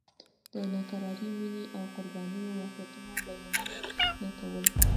د ناکرارې مینې او قربانیو واقعاتو بیانونه کول.